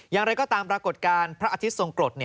อย่างไรก็ตามปรากฏการณ์พระอาทิตย์ทรงกฎ